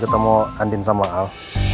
ketemu andin sama al